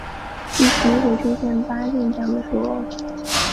第十一回出现八健将的说法。